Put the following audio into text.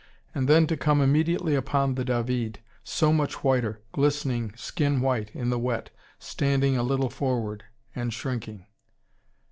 And then to come immediately upon the David, so much whiter, glistening skin white in the wet, standing a little forward, and shrinking.